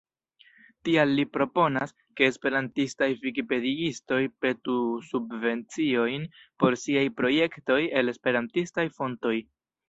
Tial li proponas, ke esperantistaj vikipediistoj petu subvenciojn por siaj projektoj el esperantistaj fontoj.